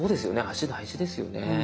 足大事ですよね。